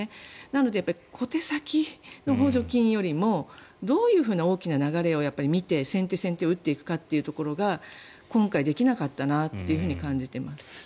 なので、小手先の補助金よりもどういうふうな大きな流れを見て先手先手を打っていくかということが今回、できなかったなと感じています。